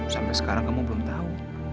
sampai sekarang kamu belum tahu